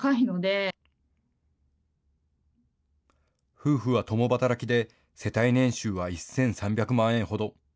夫婦は共働きで世帯年収は１３００万円ほど。